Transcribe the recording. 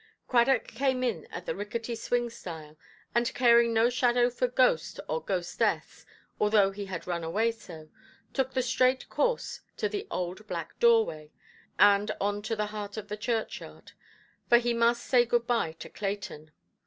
Cradock came in at the rickety swing–stile, and, caring no shadow for ghost or ghostess, although he had run away so, took the straight course to the old black doorway, and on to the heart of the churchyard; for he must say good–bye to Clayton.